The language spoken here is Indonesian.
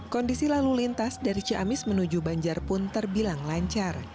kondisi lalu lintas dari ciamis menuju banjar pun terbilang lancar